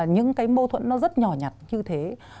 những cái mâu thuẫn nó rất nhỏ nhặt như thế